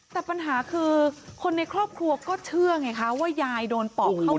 แต่ปัญหาคือคนในครอบครัวก็เชื่อไงคะว่ายายโดนปอบเข้า